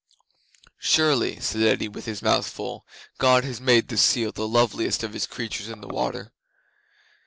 '"Surely," said Eddi, with his mouth full, "God has made the seal the loveliest of His creatures in the water.